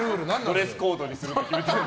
ドレスコードにするって決めてる。